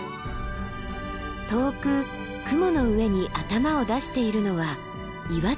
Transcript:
遠く雲の上に頭を出しているのは岩手山。